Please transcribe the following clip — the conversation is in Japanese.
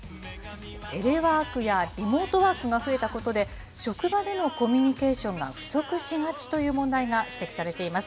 テレワークやリモートワークが増えたことで、職場でのコミュニケーションが不足しがちという問題が指摘されています。